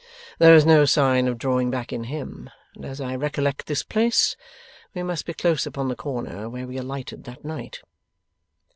There is no sign of drawing back in him; and as I recollect this place, we must be close upon the corner where we alighted that night.